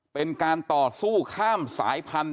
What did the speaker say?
เป็นการต่อสู้ข้ามสายพันธุ